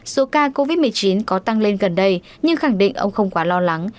số ca covid một mươi chín có tăng lên gần đây nhưng khẳng định ông không quá lo lắng